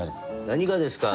「何がですか」